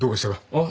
あっ？